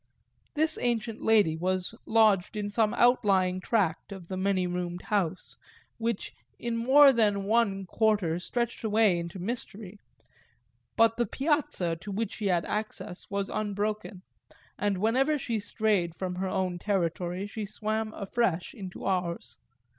This ancient lady was lodged in some outlying tract of the many roomed house, which in more than one quarter stretched away into mystery; but the piazza, to which she had access, was unbroken, and whenever she strayed from her own territory she swam afresh into ours.